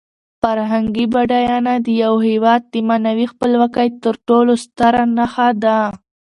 فرهنګي بډاینه د یو هېواد د معنوي خپلواکۍ تر ټولو ستره نښه ده.